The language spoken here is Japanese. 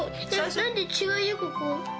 なんで、違うよ、ここ。